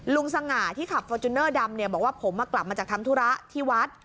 สง่าที่ขับฟอร์จูเนอร์ดำเนี่ยบอกว่าผมกลับมาจากทำธุระที่วัด